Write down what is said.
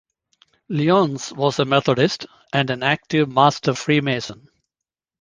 Lyons was a Methodist, and an active Master freemason.